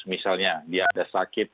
misalnya dia ada sakit